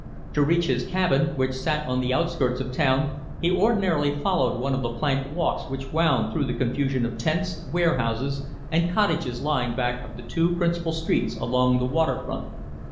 To reach his cabin, which sat on the outskirts of the town, he ordinarily followed one of the plank walks which wound through the confusion of tents, warehouses, and cottages lying back of the two principal streets along the water front.